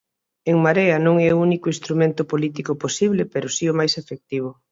En Marea non é o único instrumento político posible pero si o máis efectivo.